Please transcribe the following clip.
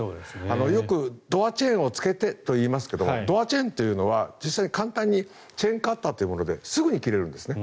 よくドアチェーンをつけてといいますがドアチェーンというのは実際に簡単にチェーンカッターというものですぐに切れるんですね。